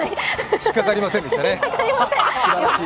引っかかりませんでしたね。